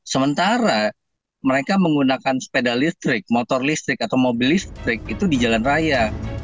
sementara mereka menggunakan sepeda listrik motor listrik atau mobil listrik itu di jalan raya